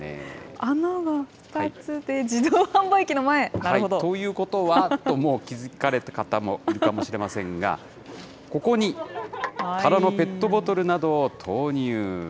穴が２つで、自動販売機の前、なるほど。ということはと、もう気付かれた方もいるかもしれませんが、ここに空のペットボトルなどを投入。